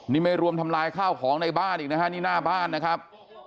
นี่ไม่รวมทำลายข้าวของในบ้านอีกนะฮะนี่หน้าบ้านนะครับ